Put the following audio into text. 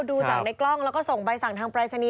ดูจากในกล้องแล้วก็ส่งใบสั่งทางปรายศนีย์